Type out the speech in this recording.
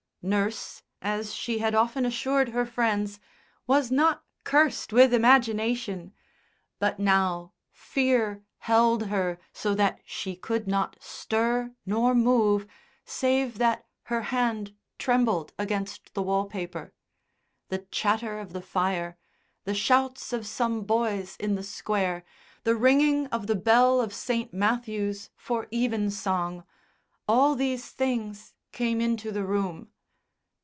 Nurse, as she had often assured her friends, "was not cursed with imagination," but now fear held her so that she could not stir nor move save that her hand trembled against the wall paper. The chatter of the fire, the shouts of some boys in the Square, the ringing of the bell of St. Matthew's for evensong, all these things came into the room.